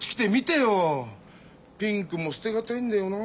ピンクも捨て難いんだよなあ。